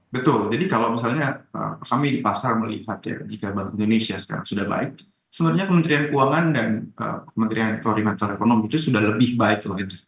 betul jadi kalau misalnya kami di pasar melihat ya jika indonesia sekarang sudah baik sebenarnya kementerian keuangan dan kementerian koordinator ekonomi itu sudah lebih baik loh itu